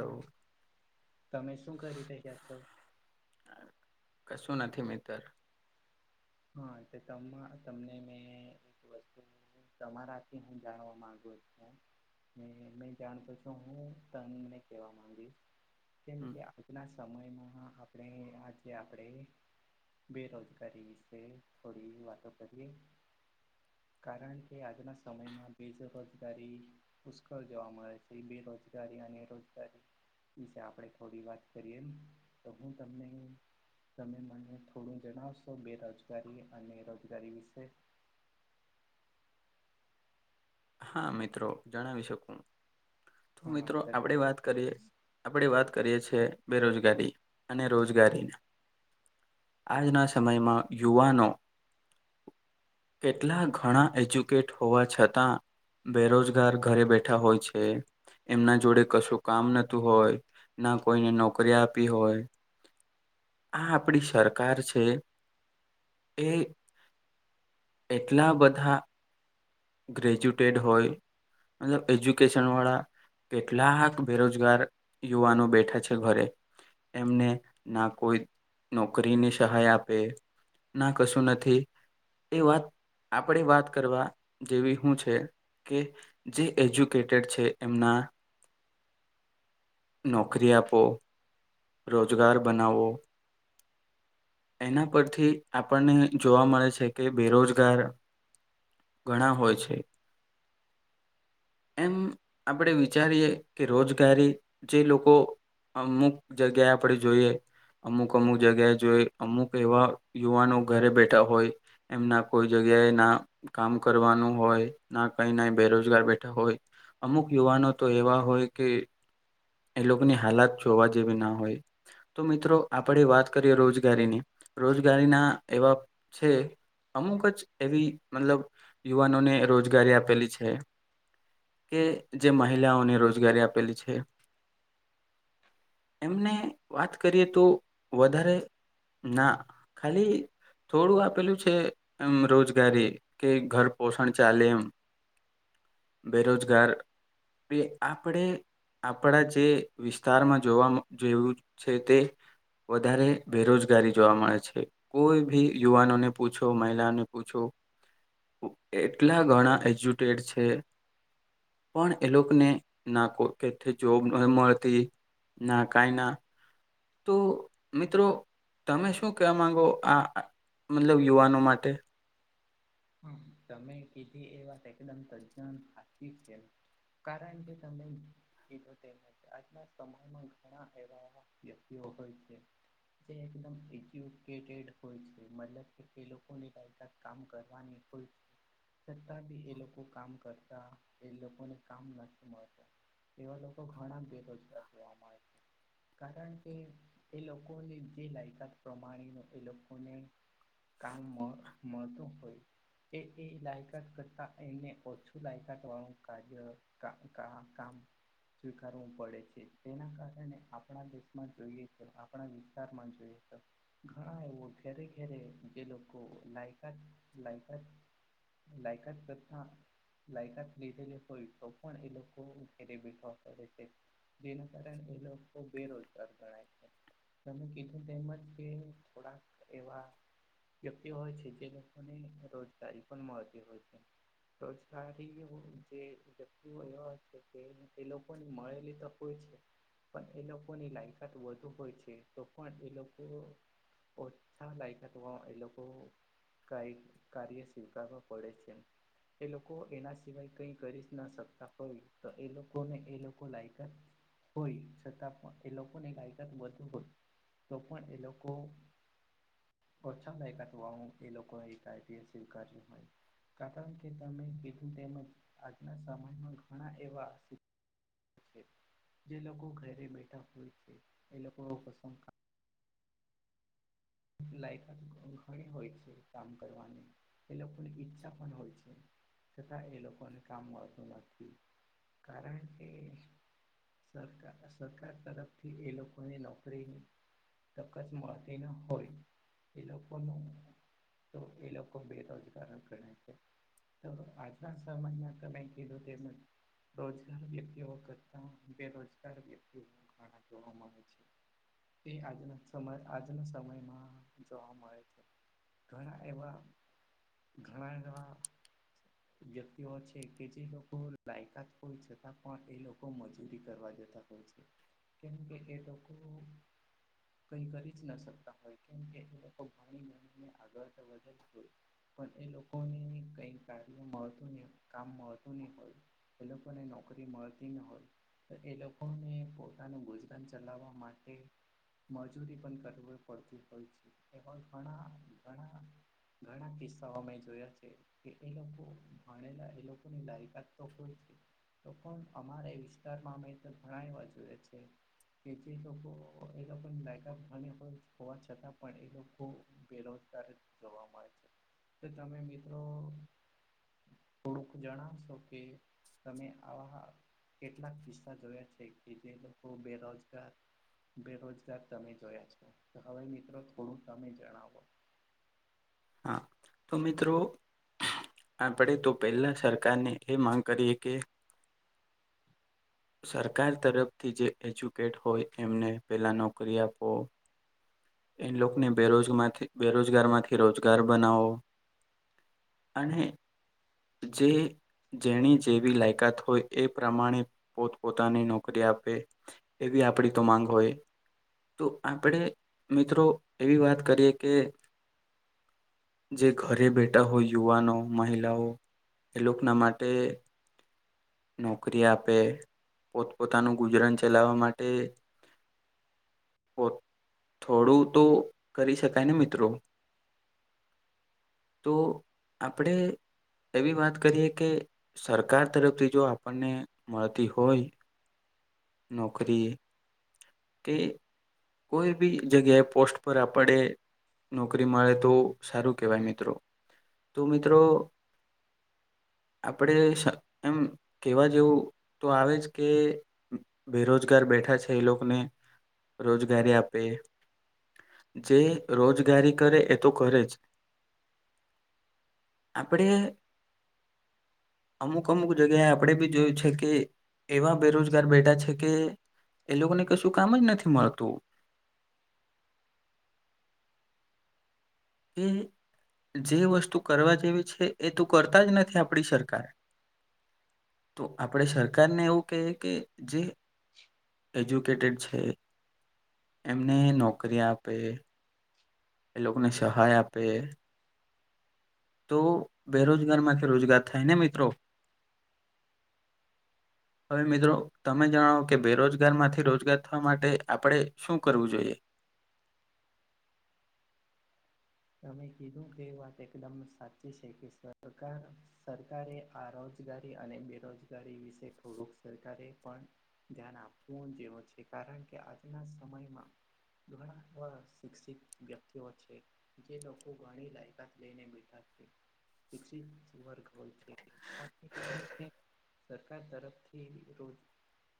તો તમે શું કરી રહ્યા છો કશું નથી મિત્ર હા તમા તમને મેં એક વસ્તુ. તમારાથી હું જાણવા માંગુ છું. મેં જાણતો છું હું તને કેવા માંગીશ કેમ કે. [unintelligible] સમયમાં આપણે આજે આપણે બેરોજગારી. થોડી [unintelligible] કરી. કારણ કે આજના સમયમાં બેજરોજગારી. પુષ્કળ જોવા મળે છે, બેરોજગારી અને રોજગારી. [unintelligible] છે, આપણે થોડી વાત કરીએ એમ તો હું તમને. તમે મને થોડું જણાવશો બેરોજગારી અને રોજગારી વિશે. હા મિત્રો જણાવી શકું તો હા મિત્રો આપણેે વાત કરીએ. આપણે વાત કરીએ છીએ બેરોજગારી અને રોજગારી. આજના સમયમાં યુવાનો. કેટલા ઘણા એજ્યુકેટ હોવા છતાં. બેરોજગાર ઘરે બેઠા હોય છે. એમના જોડે કશું કામ નતું હોય ના કોઈને નોકરી આપી હોય. આ આપણી સરકાર છે, એ. એટલા બધા. ગ્રેજ્યુટેડ હોય મતલબ એજ્યુકેશન વાળા. કેટલાક બેરોજગાર યુવાનો બેઠા છે, ઘરે. એમને ના કોઈ નોકરીની સહાય આપે. ના કશું નથી એ વાત આપણેે વાત કરવા. જેવી [unintelligible] છે, કે જે એજ્યુકેટેડ છે, એમના. નોકરી આપો રોજગાર બનાવો. એના પરથી આપણને જોવા મળે છે, કે બેરોજગાર. ઘણા હોય છે. એમ આપણે વિચારીએ કે રોજગારી જે લોકો અમુક જગ્યાએ આપણે જોઈએ અમુક અમુક જગ્યાએ જોઈ અમુક એવા યુવાનો ઘરે બેઠા હોય એમના કોઈ જગ્યાએ ના કામ કરવાનું હોય ના કઈ ના બેરોજગાર બેઠા હોય અમુક યુવાનો તો એવા હોય કે એ લોકોની હાલાત જોવા જેવી ના હોય તો મિત્રો આપણે વાત કરીએ રોજગારીની રોજગારીના એવા છે અમુક જ એવી મતલબ યુવાનોને રોજગારી આપેલી છે કે જે મહિલાઓને રોજગારી આપેલી છે એમને વાત કરીએ તો વધારે ના ખાલી થોડું આપેલું છે એમ રોજગારી કે ઘર પોષણ ચાલે એમ બેરોજગાર કે આપણેે આપણા જે વિસ્તારમાં જોવા જેવું છે તે વધારે બેરોજગારી જોવા મળે છે. કોઈ ભી યુવાનોને પૂછો મહિલાઓને પૂછો એટલા ઘણા એજ્યુટેડ છે. પણ એ લોકોને ના કો કે જોબ ન મળતી ના કઈ ના તો મિત્રો તમે શું કહેવા માગો આ મતલબ યુવાનો માટે તમે કીધી એ વાત એકદમ તદન હાચી છે કારણ કે તમે કીધું તેમ નથી આજના સમયમાં ઘણા એવા એવા વ્યક્તિઓ હોય છે એકદમ એજુકે ટ્રેડ હોય છે મતલબ કે એ લોકોની લાયકાત કામ કરવાની હોય છતાં બી એ લોકો કામ કરતા એ લોકોને કામ નથી મળતા. એવા લોકો ઘણા બેરોજગાર જોવા મળે. કારણ કે એ લોકોની જે લાયકાત પ્રમાણેનો એ લોકોને કામ મ મળતું કે એ એ લાયકાત કરતા એને ઓછું લાયકાત વાળું કાર્ય કા કા કામ સ્વીકારવું પડે છે તેના કારણે આપણા દેશમાં જોઈએ તો આપણા વિસ્તારમાં જોઈએ તો ઘણા વ ઘેરે ઘેરે જે લોકો લાયકાત લાયકાત લાયકાત તથા લાયકાત લીધેલી હોય તો પણ એ લોકો ઘરે બેઠવા પડે છે. જેના કારણે એ લોકો બેરોજગાર ગણાય છે. તમે કીધું તેમજ કે થોડાક એવા વ્યક્તિ હોય છે જે અને રોજગારી પણ મળતી હોય છે. રોજગારીઓ જે વ્યક્તિઓ એવા છે તે તે લોકોની મળેલી તો હો છે પણ એ લોકોની લાયકાત વધુ હોય છે તો પણ એ લોકો ઓછા લાયકાતમાં એ લોકો કઇક કાર્ય સ્વીકારવુ પડે છે. એ લોકો એના સિવાય કઈ કરી જ ના શકતા હોય તો એ લોકો ને એ લોકો લાયકાત હોય છતાં પણ એ લોકોને લાયકાત વધુ હોય તો પણ એ લોકો ઓછા લાયકાત વા એ લોકોએ આઈપીપેસ સ્વીકાર્યું હોય. કારણ કે તમે કીધું તેમજ આજના સમયમાં ઘણા એવા જે લોકો ઘરે બેઠા હોય છે એ લોકો પસંદ લાયકાત ઘણી હોય છે કામ કરવાની એ લોકોની ઈચ્છા પણ હોય છે. છતાં એ લોકોને કામ મળતું નથી કારણ કે સરકાર સરકાર તરફથી એ લોકોને નોકરીની તકસ મળતી ન હોય એ લોકોનું તો એ લોકો બેરોજગાર ગણાય છે. તો આજના સમયમાં તમે કીધું તેમજ રોજગાર વ્યક્તિઓ કરતા બેરોજગાર વ્યક્તિઓ ઘણા જોવા મળે છે. તે આજના સમય આજના સમયમાં જોવા મળે છે ઘણા એવા ઘણા ઘણા [inaudible] વ્યક્તિઓ છે કે જે લોકો લાયકાત હોય છતાં પણ એ લોકો મજૂરી કરવા જતા હોય છે. કેમ કે એ લોકો કઈ કરી જ ના શકતા હોય. કેમ કે એ લોકો ભણી ઘણી ને આગળ [unintelligible] પણ એ લોકોને કઈ કાર્ય મળતું નહી કામ મળતું નહી હોય. એ લોકોને નોકરી મળતી ન હોય. તો એ લોકોને પોતાનું ગુજરાન ચલાવવા માટે મજૂરી પણ કરવી પડતી હોય છે એમાં ઘણા ઘણા ઘણા કિસ્સાઓ મે જોયા છે. કે એ લોકો ભણેલા એ લોકોની લાયકાત તો હોય છે. તો પણ અમારે વિસ્તારમાં અમે તો ઘણા એવા જોયા છે. કે જે લોકો એ લોકોની લાયકાત ભલે હોય હોવા છતાં છતાં પણ એ લોકો બેરોજગાર જ જોવા મળે છે. તો તમે મિત્રો થોડુંક જણાવશો કે તમે આવા કેટલાક કિસ્સા જોયા છે કે જે લોકો બેરોજગાર બેરોજગાર તમે જોયા છો હવે મિત્રો થોડું તમે જણાવો. હા! તો મિત્રો, આપણેે તો પહેલા સરકારને એ માંગ કરીએ કે સરકાર તરફથી જે એજ્યુકેટ હોય એમને પેલા નોકરી આપો. એન લોકોને બેરોજગ માંથી બેરોજગારમાંથી રોજગાર બનાઓ. અને જે. જેણી જેવી લાયકાત હોય એ પ્રમાણે પોત પોતાને નોકરી આપે. એવી આપણી તો માંગ હોય, તો આપડે મિત્રો! એવી વાત કરીએ કે જે ઘરે બેઠા હોય યુવાનો મહિલાઓ. એ લોકોના માટે. નોકરી આપે પોતપોતાનું ગુજરાન ચલાવવા માટે. ઓત થોડું તો કરી શકાય ને મિત્રો! તો આપણેે એવી વાત કરીએ કે સરકાર તરફથી જો આપણને મળતી હોય નોકરી કે કોઈ બી જગ્યાએ પોસ્ટ પર આપડે નોકરી મળે તો સારું કહેવાય મિત્રો, તો મિત્રો! આપડે સ એમ કેવા જેવું! તો આવે જ કે બેરોજગાર બેઠા છે એ લોકને. રોજગારી આપે. જે રોજગારી કરે એ તો કરે જ. આપડે અમુક- અમુક જગ્યાએ આપડે બી જોયું છે કે. એવા બેરોજગાર બેઠા છે કે એ લોકોને કશું કામ જ નથી મળતું. એ જે વસ્તુ કરવા જેવી છે એ તો કરતા જ નથી આપણી સરકાર. તો આપડે સરકારને એવું કહીએ કે જે એજ્યુકેટેડ છે, એમને નોકરી આપે. એ લોકને સહાય આપે. તો બેરોજગારમાંથી રોજગાર થાય ને મિત્રો? હવે મિત્રો તમે જણાવો કે બેરોજગારમાંથી રોજગાર થવા માટે આપણેે શું કરવું જોઈએ? તમે કીધું તે વાત એકદમ સાચી છે કે સરકાર સરકારે આ રોજગારી અને બેરોજગારી વિશે થોડુંક સરકારે પણ ધ્યાન આપવું જેવું છે. કારણ કે આજના સમયમાં ઘણા ખરા શિક્ષિત વ્યક્તિઓ છે. જે લોકો ઘણી લાયકાત લઈને બેઠા છે, શિક્ષિત વર્ગ હોય છે. [unintelligible] સરકાર તરફથી રોજ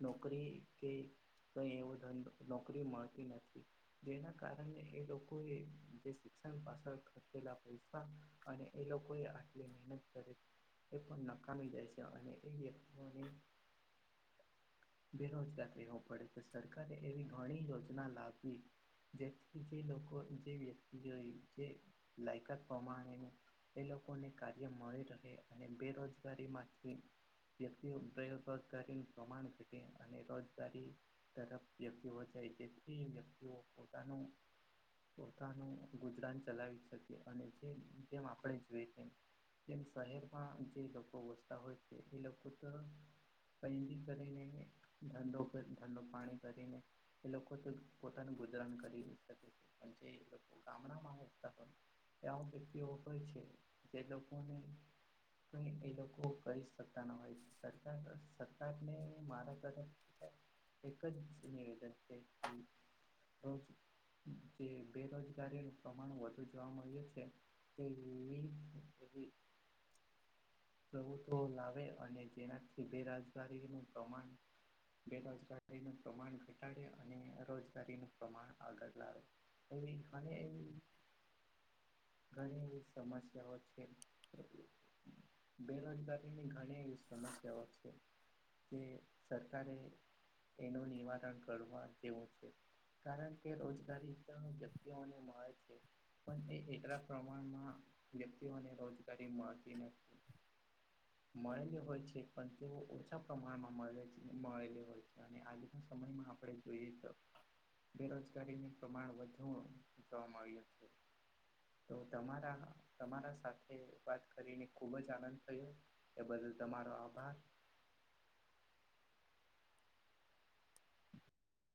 નોકરી કે કઈ એવો ધંધો નોકરી મળતી નથી. જેના કારણે એ લોકોએ જે શી શિક્ષણ પાછળ ખર્ચેલા પૈસા અને એ લોકોએ આટલી મહેનત કરે. એ પણ નકામી જાય છે. અને એ વ્યક્તિઓને બેરોજગાર રહેવું પડે. તો સરકારે એવી ઘણી યોજના લાવવી. જે વ્યક્તિ જે લોકો જે વ્યક્તિ જોય જે લાયકાત પ્રમાણે એ લોકોને કાર્ય મળી રહે, અને બેરોજગારીમાંથી વ્યક્તિઓ [inaudible] પ્રમાણ ઘટે અને રોજગારી તરફ વ્યક્તિઓ જાય તેથી એ વ્યક્તિઓ પોતાનું, પોતાનું ગુજરાન ચલાવી શકે. અને જે જેમ આપણે જોઈએ તેમ તેમ શહેરમાં જે લોકો વસતા હોય છે. એ લોકો તો કઈ બી કરીને ધંધો કરી ધંધો પાણી કરીને એ લોકો તો પોતાનું ગુજરાન કરી શકે છે પરંતુ એ લોક ગામડામાં [inaudible] પન ત્યાં વ્યક્તિઓ હોય છે જે લોકોને કઈ એ લોકો કહી શકતા ન હોય. સરકાર સરકારને મારા તરફ એક જ નિવેદન છે કે રોજ જે બેરોજ ગારીનું પ્રમાણ વધુ જોવા મળ્યું છે તે [inaudible] પ્રભુત્વ લાવે અને જેનાથી બેરાજગારીનું પ્રમાણ બેરોજગારીનું પ્રમાણ ઘટાડે અને રોજગારીનું પ્રમાણ આગળ લાવે. કોઈ અને એની ઘણી એવી સમસ્યાઓ છે. બેરોજગારીની ઘણી એવી સમસ્યાઓ છે. કે સરકારે એનું નિવારણ કરવા જેવું છે. કારણ કે રોજગારી ત વ્યક તીઓ ને મળે છે. પણ એ એટલા પ્રમાણમાં વ્યક્તિઓને રોજગારી મળતી નથી. મળેલી હોય છે પણ તેઓ ઓછા પ્રમાણમાં મળે મળેલી હોય છે. અને આજના સમયમાં આપણે તો ઈત બેરોજગારીનું પ્રમાણ વધુ જોવા મળ્યું છે. તો તમારા તમારા સાથે વાત કરીને ખૂબ જ આનંદ થયો. એ બદલ તમારો આભાર.